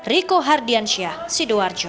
riko hardiansyah sidoarjo